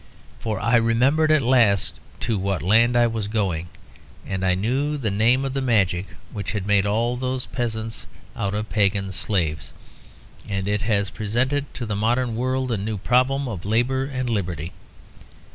For I remembered at last to what land I was going; and I knew the name of the magic which had made all those peasants out of pagan slaves, and has presented to the modern world a new problem of labour and liberty.